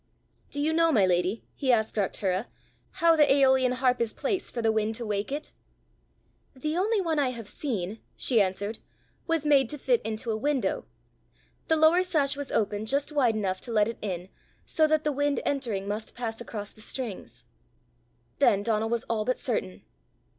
"Do you know, my lady," he asked Arctura, "how the aeolian harp is placed for the wind to wake it?" "The only one I have seen," she answered, "was made to fit into a window; the lower sash was opened just wide enough to let it in, so that the wind entering must pass across the strings." Then Donal was all but certain.